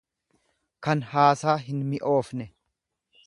kan haasaa hinmi'oofne.